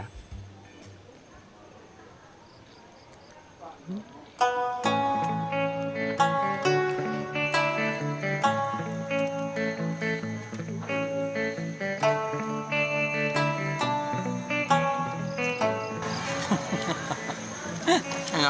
ini enak banget